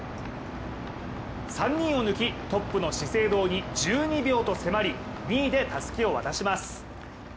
３人を抜き、トップの資生堂に１２秒と迫り２位でたすきを渡します。